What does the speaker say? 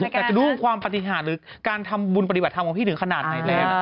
แต่จะรู้ความปฏิหารหรือการทำบุญปฏิบัติธรรมของพี่ถึงขนาดไหนแล้ว